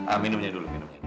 a minumnya dulu minumnya